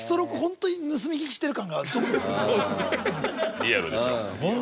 リアルでしょ。